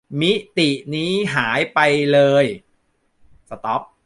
มิตินี้หายไปเลย